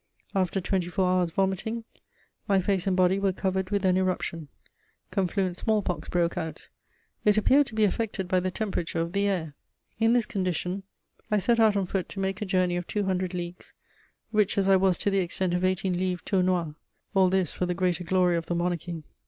After twenty four hours' vomiting, my face and body were covered with an eruption: confluent smallpox broke out; it appeared to be affected by the temperature of the air. In this condition, I set out on foot to make a journey of two hundred leagues, rich as I was to the extent of eighteen livres Tournois: all this for the greater glory of the Monarchy.